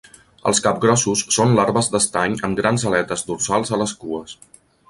Els capgrossos són larves d'estany amb grans aletes dorsals a les cues.